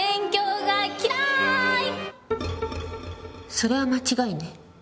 それは間違いね。